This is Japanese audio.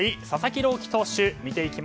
佐々木朗希投手。